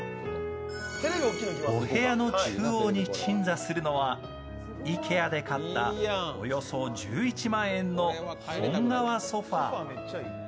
お部屋の中央に鎮座するのは、ＩＫＥＡで買ったおよそ１１万円の本革ソファー。